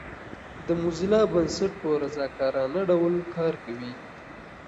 د موزیلا بنسټ په رضاکارانه ډول کار کوي.